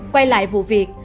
quay lại vụ việc